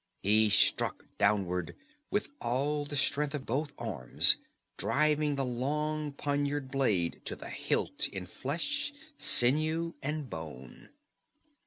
He struck downward with all the strength of both arms, driving the long poniard blade to the hilt in flesh, sinew and bone.